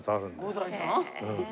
伍代さん？